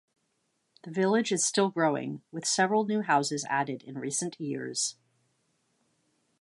The village is still growing, with several new houses added in recent years.